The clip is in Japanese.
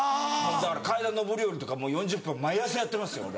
だから階段上り下りとかもう４０分毎朝やってますよ俺。